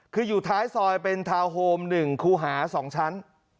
คืออยู่ท้ายซอยเป็นทาวน์โฮม๑คู่หา๒ชั้น